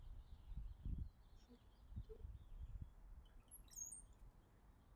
Simu iliyofunguliwa na kusambaratishwa pamoja na chupa kubwa ya mvinyo